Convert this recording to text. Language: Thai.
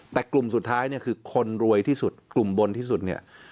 แต่กลุ่มสุดท้ายเนี่ยคือคนรวยที่สุดกลุ่มบนที่สุดเนี่ย